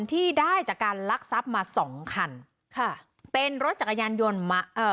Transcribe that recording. ที่ได้จากการลักทรัพย์มาสองคันค่ะเป็นรถจักรยานยนต์มาเอ่อ